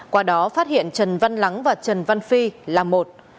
qua đó phát hiện trần văn lắng và trần văn phi là một